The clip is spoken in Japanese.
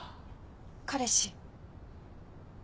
彼氏。